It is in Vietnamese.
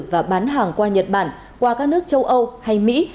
và bán hàng qua nhật bản qua các nước châu âu hay mỹ